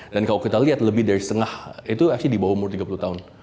dan kalau kita lihat lebih dari setengah itu actually di bawah umur tiga puluh tahun